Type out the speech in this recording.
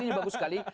artinya bagus sekali